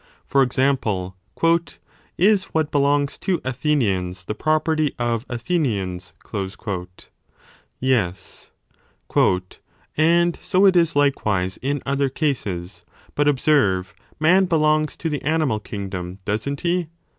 i76 b For example, Is what belongs to Athenians the property of Athenians ? Yes. And so it is likewise in other cases. But observe ; man belongs to the animal kingdom, doesn t he